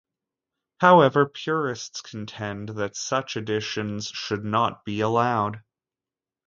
However purists contend that such additions should not be allowed.